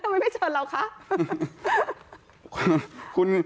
ทำไมไม่เชิญเราคะ